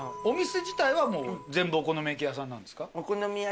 お店自体はもう全部お好み焼き屋さんなんですか？